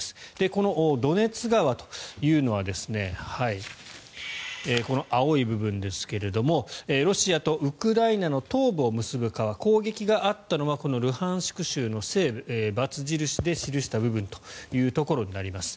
このドネツ川というのはこの青い部分ですけれどもロシアとウクライナの東部を結ぶ川攻撃があったのはこのルハンシク州の西部バツ印で記した部分というところになります。